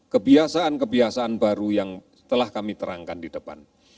kebiasaan kebiasaan baru yang telah kami terangkan di depan